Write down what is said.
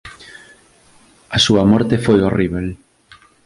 A súa morte foi horríbel